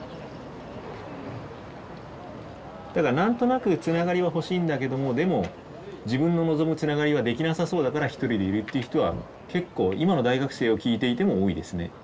だから何となくつながりは欲しいんだけどもでも自分の望むつながりはできなさそうだからひとりでいるっていう人は結構今の大学生を聞いていても多いですね。